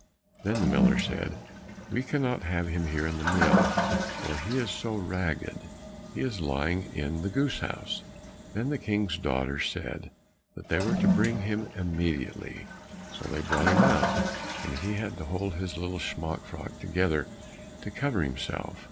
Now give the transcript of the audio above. Then the miller said, "We cannot have him here in the mill, for he is so ragged; he is lying in the goose house." Then the King's daughter said that they were to bring him immediately. So they brought him out, and he had to hold his little smock frock together to cover himself.